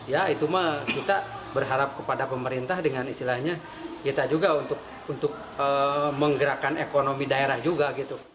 ya itu mah kita berharap kepada pemerintah dengan istilahnya kita juga untuk menggerakkan ekonomi daerah juga gitu